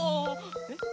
えっ？